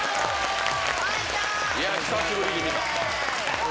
久しぶりに見た。